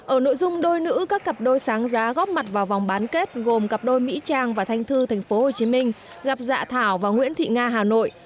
ở nội dung đôi nữ các cặp đôi sáng giá góp mặt vào vòng bán kết gồm cặp đôi mỹ trang và thanh thư tp hcm gặp dạ thảo và nguyễn thị nga hà nội